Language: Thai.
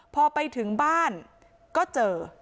พอไปถึงบ้านก็เจอ